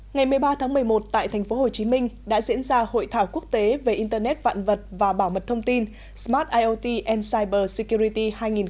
ngày một mươi ba tháng một mươi một tại tp hcm đã diễn ra hội thảo quốc tế về internet vạn vật và bảo mật thông tin smart iot and cyber security hai nghìn một mươi chín